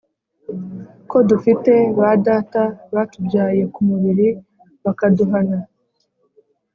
Ko dufite ba data batubyaye ku mubiri, bakaduhana,